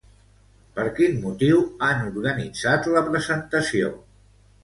Per quin motiu han organitzat la presentació?